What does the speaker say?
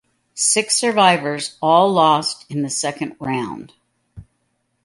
The six survivors all lost in the second round.